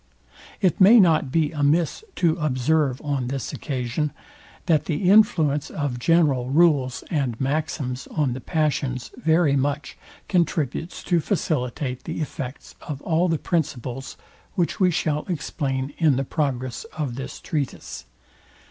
It may not be amiss to observe on this occasion, that the influence of general rules and maxims on the passions very much contributes to facilitate the effects of all the principles, which we shall explain in the progress of this treatise.